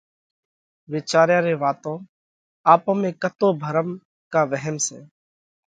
وِيچاريا ري واتون آپون ۾ ڪتو ڀرم ڪا وهم سئہ؟